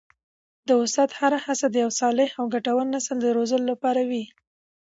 د استاد هره هڅه د یو صالح او ګټور نسل د روزلو لپاره وي.